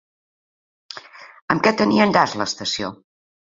Amb què tenia enllaç l'estació?